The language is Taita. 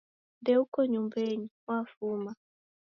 Ndeuko nyumbenyi, wafuma